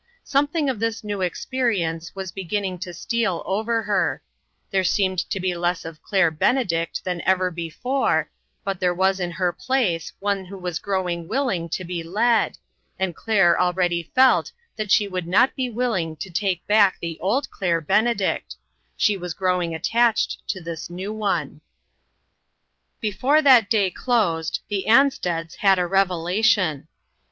Something of this new experience was beginning to steal over her; there seemed to be less of Claire Benedict than ever before, but there was in her place one who was growing willing to be led, and Claire already felt that she would not be willing to take back the old Claire Benedict; she was growing attached to this new one. xjbfore that day closed, the Ansteds had a revelation.